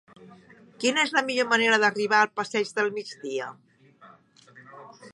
Quina és la millor manera d'arribar al passeig del Migdia?